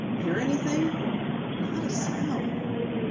"Hear anything?" "Not a sound."